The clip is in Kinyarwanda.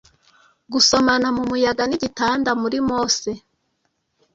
gusomana mumuyaga nigitanda muri mose